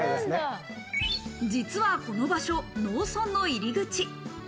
実はこの場所、農村の入り口。